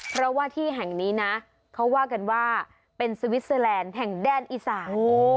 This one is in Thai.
เพราะว่าที่แห่งนี้นะเขาว่ากันว่าเป็นสวิสเตอร์แลนด์แห่งแดนอีสาน